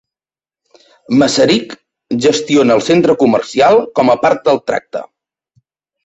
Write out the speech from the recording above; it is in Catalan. Macerich gestiona el centre comercial com a part del tracte.